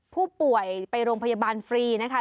ผู้ป่วยไปโรงพยาบาลฟรีนะคะ